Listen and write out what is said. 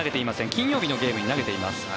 金曜日のゲームに投げています。